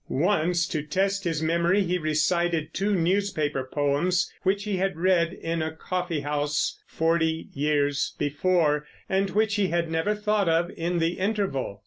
Once, to test his memory, he recited two newspaper poems which he had read in a coffeehouse forty years before, and which he had never thought of in the interval.